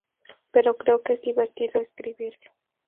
Pero creo que es divertido escribirlo.